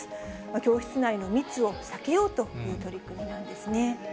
教室内の密を避けようという取り組みなんですね。